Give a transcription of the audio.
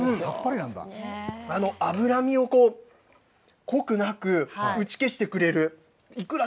脂身が濃くなく、打ち消してくれる。